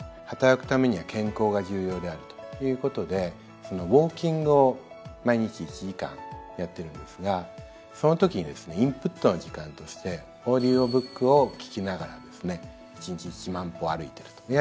働くためには健康が重要であるということでウオーキングを毎日１時間やってるんですがそのときにですねインプットの時間としてオーディオブックを聴きながらですね１日１万歩歩いてると。